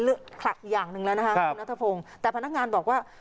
เลือกคลักอย่างหนึ่งแล้วนะฮะครับนักธพงศ์แต่พนักงานบอกว่า